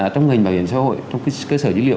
trong ngành bảo hiểm xã hội trong cơ sở dữ liệu